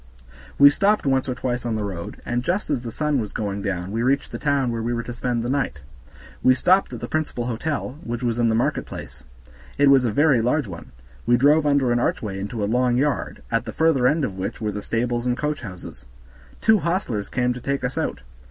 We stopped once or twice on the road, and just as the sun was going down we reached the town where we were to spend the night. We stopped at the principal hotel, which was in the market place; it was a very large one; we drove under an archway into a long yard, at the further end of which were the stables and coachhouses. Two hostlers came to take us out.